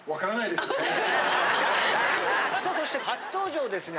さあそして初登場ですね。